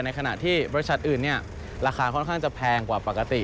ขณะที่บริษัทอื่นราคาค่อนข้างจะแพงกว่าปกติ